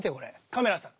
カメラさん